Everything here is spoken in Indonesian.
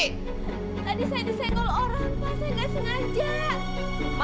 tadi saya disenggol orang pak saya gak sengaja